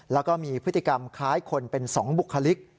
แล้วก็มีพฤติกรรมคล้ายคนเป็น๒บุคลิก